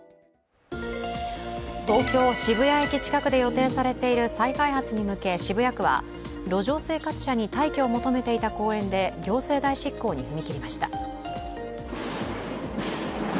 東京・渋谷駅近くで予定されている再開発に向け渋谷区は路上生活者に退去を求めていた公園で行政代執行に踏み切りました。